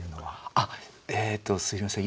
あっえっとすみません。